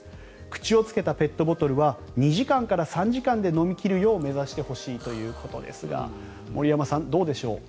口をつけたペットボトルは２時間から３時間で飲み切るように目指してほしいということですが森山さん、どうでしょうか。